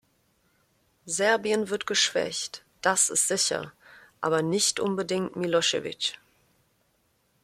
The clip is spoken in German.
Serbien wird geschwächt, das ist sicher, aber nicht unbedingt Milosevic.